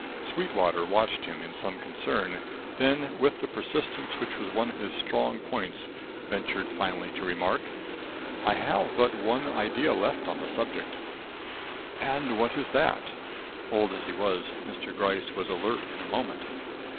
Sweetwater watched him in some concern, then with the persistence which was one of his strong points, ventured finally to remark: "I have but one idea left on the subject." "And what is that?" Old as he was, Mr. Gryce was alert in a moment.